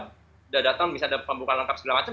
sudah datang misalnya ada pembukaan lengkap segala macam